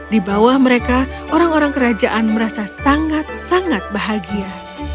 di bawah mereka orang orang kerajaan merasa sangat sangat bahagia